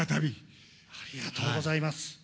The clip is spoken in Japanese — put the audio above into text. ありがとうございます。